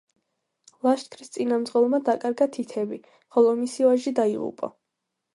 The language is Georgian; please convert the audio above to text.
ლაშქრის წინამძღოლმა დაკარგა თითები, ხოლო მისი ვაჟი დაიღუპა.